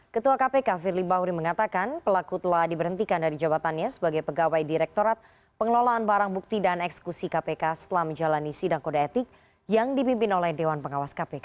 ketua kpk firly bahuri mengatakan pelaku telah diberhentikan dari jabatannya sebagai pegawai direktorat pengelolaan barang bukti dan eksekusi kpk setelah menjalani sidang kode etik yang dipimpin oleh dewan pengawas kpk